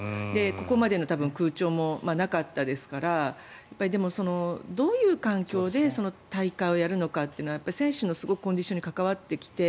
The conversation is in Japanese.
ここまでの空調も多分なかったでしょうからでも、どういう環境で大会をやるのかというのは選手のコンディションに関わってきて